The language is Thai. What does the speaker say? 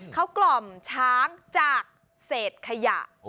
เขากล่อมช้างจากเศษขยะ